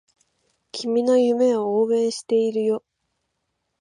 君の夢を応援しているよ